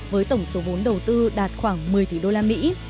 với tổng số vốn đầu tư đạt khoảng một mươi tỷ đô la mỹ